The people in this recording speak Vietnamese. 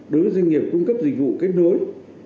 đối với doanh nghiệp cung cấp dịch vụ kết nối